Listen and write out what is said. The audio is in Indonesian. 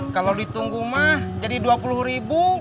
kalau ditunggu mah jadi dua puluh ribu